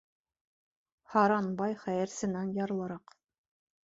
Һаран бай хәйерсенән ярлыраҡ.